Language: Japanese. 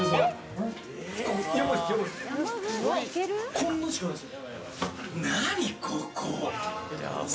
こんなしかないです。